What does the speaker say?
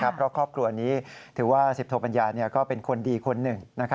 เพราะครอบครัวนี้ถือว่า๑๐โทปัญญาก็เป็นคนดีคนหนึ่ง